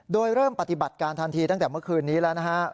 โดยเริ่มปฏิบัติการทันทีตั้งแต่เมื่อคืนนี้แล้วนะฮะ